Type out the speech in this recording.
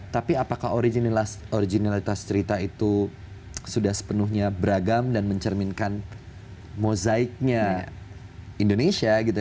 tapi apakah originalitas cerita itu sudah sepenuhnya beragam dan mencerminkan mozaiknya indonesia gitu